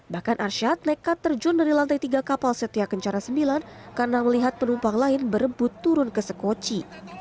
bahkan arsyad nekat terjun dari lantai tiga kapal setia kencara sembilan karena melihat penumpang lain berebut turun ke sekoci